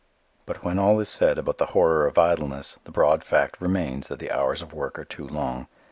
But when all is said about the horror of idleness the broad fact remains that the hours of work are too long.